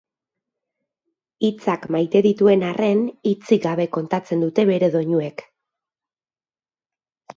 Hitzak maite dituen arren hitzik gabe kontatzen dute bere doinuek.